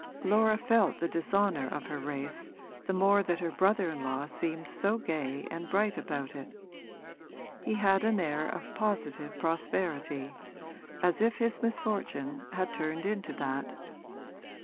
Laura felt the dishonour of her race the more that her brother in law seemed so gay and bright about it: he had an air of positive prosperity, as if his misfortune had turned into that.